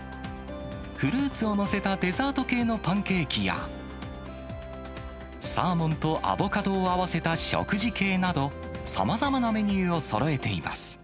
フルーツを載せたデザート系のパンケーキや、サーモンとアボカドを合わせた食事系など、さまざまなメニューをそろえています。